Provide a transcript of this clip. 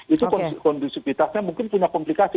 itu kondisi politiknya mungkin punya komplikasi